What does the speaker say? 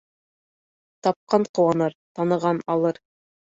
Тапҡан ҡыуаныр, таныған алыр.